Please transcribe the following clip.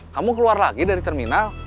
kamu keluar lagi dari terminal